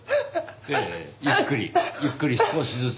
ええゆっくりゆっくり少しずつ。